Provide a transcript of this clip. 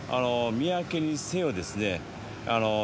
金関にせよですね